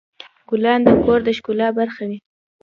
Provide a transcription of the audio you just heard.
ګلان د کور د ښکلا برخه وي.